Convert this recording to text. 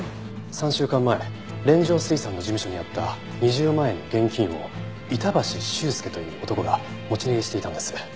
３週間前連城水産の事務所にあった２０万円の現金を板橋秀介という男が持ち逃げしていたんです。